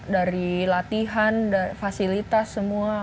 dari latihan fasilitas semua